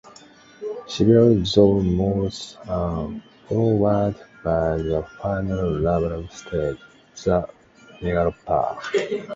Several zoeal moults are followed by the final larval stage, the megalopa.